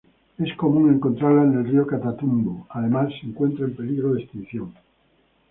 Es común encontrarla en el río Catatumbo, además se encuentra en peligro de extinción.